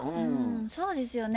そうですよね。